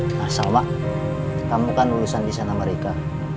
masa mak kamu kan urusan di sana mereka